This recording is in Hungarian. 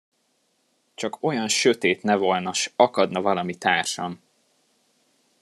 Csak olyan sötét ne volna, s akadna valami társam!